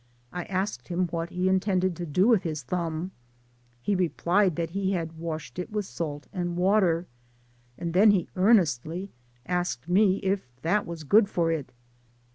I asked him what he intended to do G 2 Digitized byGoogk 84 THE PAMPAS. with his thumb : he replied that he had washed it with salt and water, and then he earnestly asked me if that was good for it